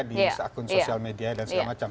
di akun sosial media dan segala macam